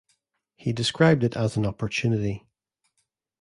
He described it as an opportunity.